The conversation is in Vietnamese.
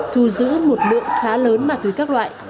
thu giữ một lượng khá lớn ma túy các loại